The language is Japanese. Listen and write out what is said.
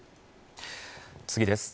次です。